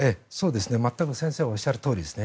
全く先生がおっしゃるとおりですね。